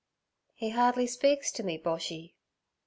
'He hardly speaks to me, Boshy.'